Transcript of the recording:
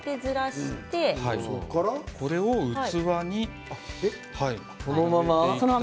これを器にこのまま。